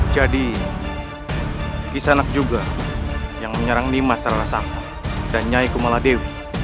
jadi kisanak juga yang menyerang lima sarana sangka dan nyai kumala dewi